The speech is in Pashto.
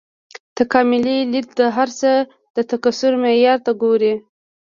تکاملي لید د هر څه د تکثیر معیار ته ګوري.